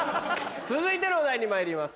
続いてのお題にまいります。